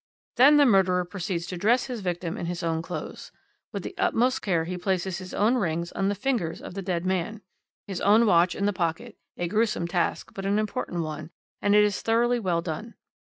"Then the murderer proceeds to dress his victim in his own clothes. With the utmost care he places his own rings on the fingers of the dead man, his own watch in the pocket; a gruesome task, but an important one, and it is thoroughly well done.